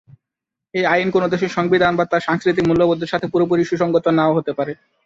এই আইন কোনো দেশের সংবিধান বা তার সাংস্কৃতিক মূল্যবোধের সাথে পুরোপুরি সুসংগত না-ও হতে পারে।